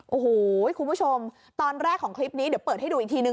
โอ้โหคุณผู้ชมตอนแรกของคลิปนี้เดี๋ยวเปิดให้ดูอีกทีนึง